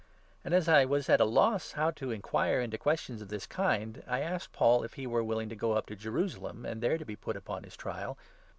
And, as I was at a loss 20 how to enquire into questions of this kind, I asked Paul if he were willing to go up to Jerusalem, and there be put upon his trial.